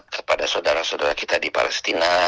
kepada saudara saudara kita di palestina